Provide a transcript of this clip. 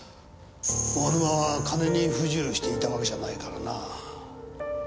大沼は金に不自由していたわけじゃないからな。